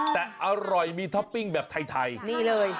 แต่อร่อยมีท็อปปิ้งแบบไทยนี่เลย